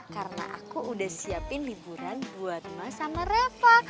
karena aku udah siapin liburan buat mas sama reva